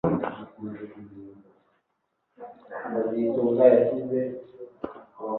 Natsitaye kuri iki kibazo igihe nakoraga ikindi kintu. Niba hari ikintu cyaraye kibaye, ngira ngo nari kubyumva.